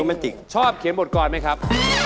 แมนติกชอบเขียนบทกรไหมครับ